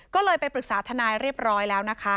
ก็เลยไปปรึกษาทนายเรียบร้อยแล้วนะคะ